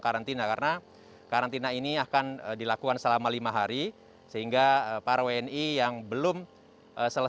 tornado na effectivement sebagiannya terutama yang baru tiba minggu sore